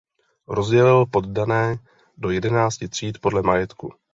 Rozdělil poddané do jedenácti tříd podle majetku.